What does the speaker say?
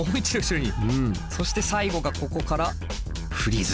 そして最後がここからフリーズ。